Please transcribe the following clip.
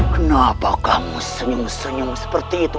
kenapa kamu senyum senyum seperti itu